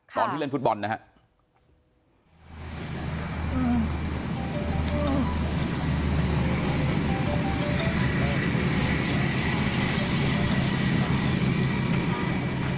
ตอนที่เล่นฟุตบอลนะครับ